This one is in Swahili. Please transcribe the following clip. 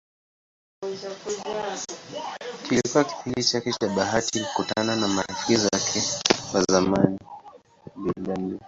Kilikuwa kipindi chake cha bahati kukutana na marafiki zake wa zamani Bw.